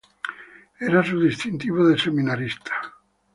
Era su distintivo de seminarista.